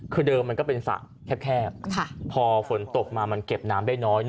คือเดิมมันก็เป็นสระแคบพอฝนตกมามันเก็บน้ำได้น้อย